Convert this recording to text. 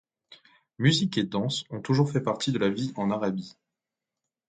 Musique et danse ont toujours fait partie de la vie en Arabie.